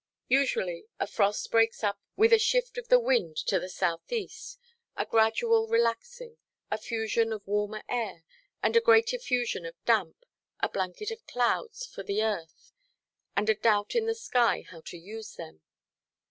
Usually, a frost breaks up with a shift of the wind to the south–east, a gradual relaxing, a fusion of warmer air, and a great effusion of damp, a blanket of clouds for the earth, and a doubt in the sky how to use them.